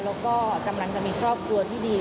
แล้วก็กำลังจะมีครอบครัวที่ดี